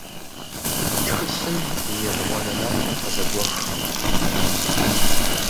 Тхылъым и ебгъуанэ напэр къызэгуэх.